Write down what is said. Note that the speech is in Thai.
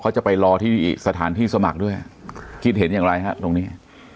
เขาจะไปรอที่สถานที่สมัครด้วยคิดเห็นอย่างไรฮะตรงนี้